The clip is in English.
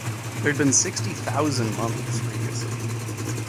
There had been sixty thousand monks previously.